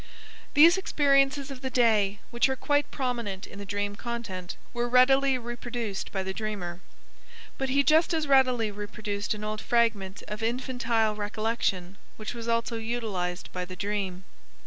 These experiences of the day, which are quite prominent in the dream content, were readily reproduced by the dreamer. But he just as readily reproduced an old fragment of infantile recollection which was also utilized by the dream.